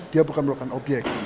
dia bukan melakukan obyek